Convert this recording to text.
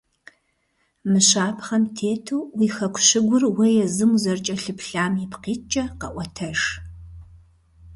Мы щапхъэм тету уи хэку щыгур уэ езым узэрыкӀэлъыплъам ипкъ иткӀэ къэӀуэтэж.